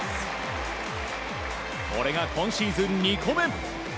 これが今シーズン２個目。